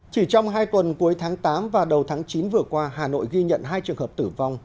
chỉ trong hai tuần cuối tháng tám và đầu tháng chín vừa qua hà nội ghi nhận hai trường hợp tử vong